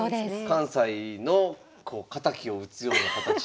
関西の敵を討つような形に。